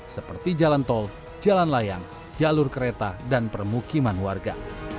seperti jalan tol jalan layang jalur kereta dan permukiman warga